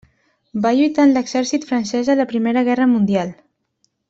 Va lluitar en l'exèrcit francès a la Primera Guerra Mundial.